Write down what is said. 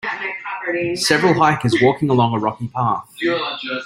Several hikers walking along a rocky path.